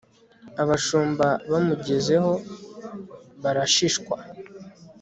abashumba bamugezeho barashishwa